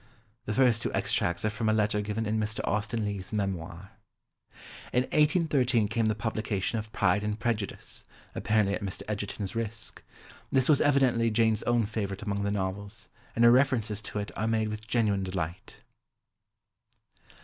The first two extracts are from a letter given in Mr. Austen Leigh's Memoir. In 1813 came the publication of Pride and Prejudice, apparently at Mr. Egerton's risk. This was evidently Jane's own favourite among the novels, and her references to it are made with genuine delight.